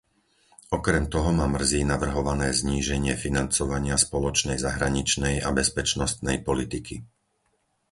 Okrem toho ma mrzí navrhované zníženie financovania spoločnej zahraničnej a bezpečnostnej politiky.